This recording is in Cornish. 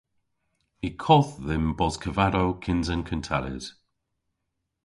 Y kodh dhymm bos kavadow kyns an kuntelles.